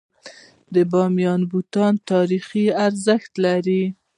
د بامیانو بتان تاریخي ارزښت لري.